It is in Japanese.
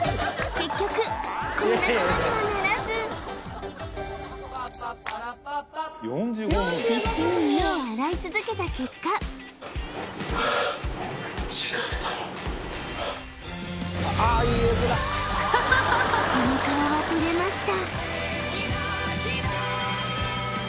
結局こんなことにはならず必死に犬を洗い続けた結果この顔は撮れました